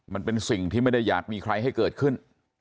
มันเป็นสิ่งที่ไม่ได้อยากมีใครให้เกิดขึ้น